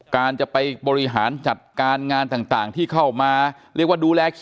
การจะไปบริหารจัดการงานต่างที่เข้ามาเรียกว่าดูแล